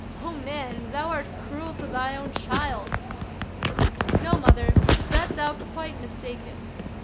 Oh, man! thou art cruel to thy own child." " No, mother, that thou quite mistakest.